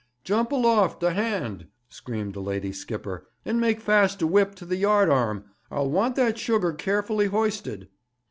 'Jump aloft, a hand,' screamed the lady skipper, 'and make fast a whip to the yard arm! I'll want that sugar carefully hoisted!'